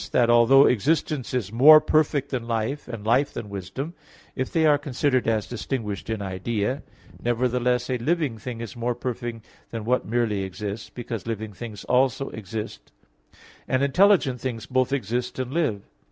v) that, although existence is more perfect than life, and life than wisdom, if they are considered as distinguished in idea; nevertheless, a living thing is more perfect than what merely exists, because living things also exist and intelligent things both exist and live.